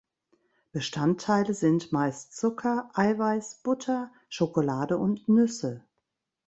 Bestandteile sind meist Zucker, Eiweiß, Butter, Schokolade und Nüsse.